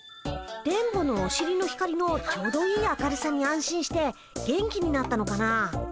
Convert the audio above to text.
電ボのおしりの光のちょうどいい明るさに安心して元気になったのかな？